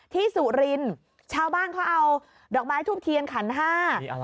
สุรินทร์ชาวบ้านเขาเอาดอกไม้ทูบเทียนขันห้า